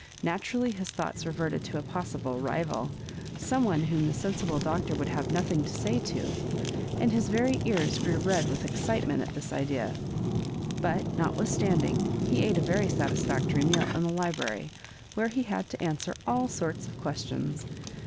Naturally his thoughts reverted to a possible rival — some one whom the sensible Doctor would have nothing to say to ; and his very ears grew red with excitement at thi« Digitized by VjOOQIC 18 MISS IfARJOREBANKa idea. But, notwithstanding, ho ate a very satis fiskjtory meal in the library, where he had to an swer all sorts of questions.